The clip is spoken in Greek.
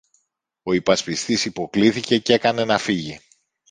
Ο υπασπιστής υποκλίθηκε κι έκανε να φύγει.